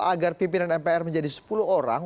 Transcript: agar pimpinan mpr menjadi sepuluh orang